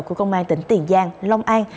của công an tỉnh tiền giang long an